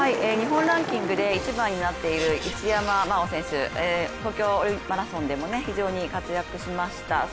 日本ランキングで１番になっている一山麻緒選手、東京マラソンでも非常に活躍しました。